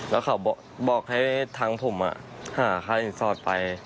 แล้วเขาบอกให้ทางผมหาค่าสินสอดไป